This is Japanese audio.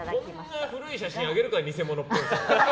こんな古い写真を上げるから偽物っぽくなるんですよ。